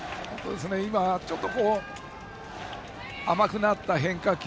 ちょっと甘くなった変化球